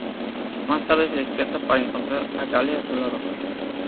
Más tarde se despierta para encontrar a Gale a su lado.